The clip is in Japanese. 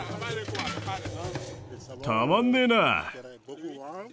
たまんねぇな。